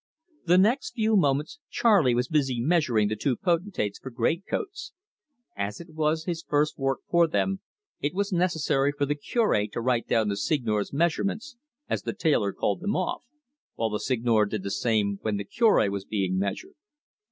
The next few moments Charley was busy measuring the two potentates for greatcoats. As it was his first work for them, it was necessary for the Cure to write down the Seigneur's measurements, as the tailor called them off, while the Seigneur did the same when the Cure was being measured.